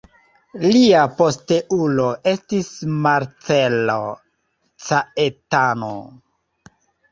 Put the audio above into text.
Lia posteulo estis Marcello Caetano.